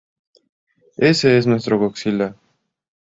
Ese es nuestro Godzilla".